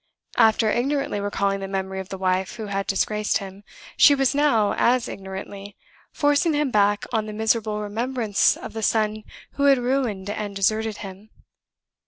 After ignorantly recalling the memory of the wife who had disgraced him, she was now, as ignorantly, forcing him back on the miserable remembrance of the son who had ruined and deserted him.